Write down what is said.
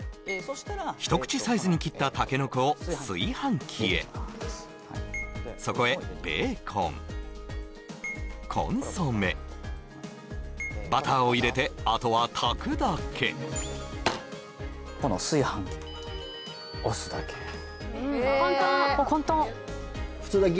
一口サイズに切ったタケノコを炊飯器へそこへベーコンを入れてあとは炊くだけこの炊飯器押すだけ簡単普通炊き？